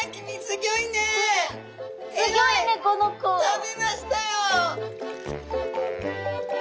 食べましたよ！